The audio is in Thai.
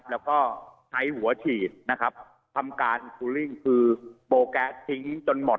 แล้วก็ใช้หัวฉีดทำการคลุมตัดอากาศคือโบแก๊สทิ้งจนหมด